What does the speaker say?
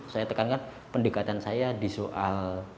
saya tekankan pendekatan saya di soal